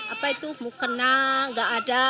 apa itu mukena gak ada